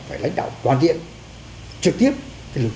khi liên bang soviet tàn giãn